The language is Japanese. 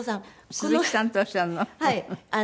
鈴木さんっておっしゃるの？